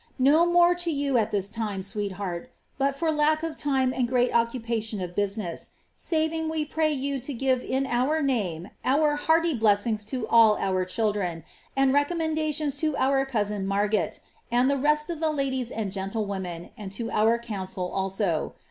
No more to you at this time, sweetheart, but for lack of time and greit occupation of business, saving we pray you to give in our name our hearty bless ings to all our children, and recommendations to our cousin Marget,' ud tbe rest of the ladies and gentlewomen, and to our council also.